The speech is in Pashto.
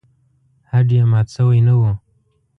هډ یې مات شوی نه و.